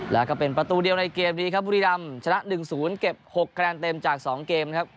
แล้วก็เป็นประตูเดียวในเกมนี้ครับบุรีรำชนะ๑๐เก็บ๖คะแนนเต็มจาก๒เกมครับ